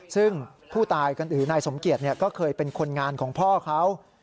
ซึ่งผู้ตายหรือนายสมเกียจก็เคยเป็นคนงานของพ่อเขา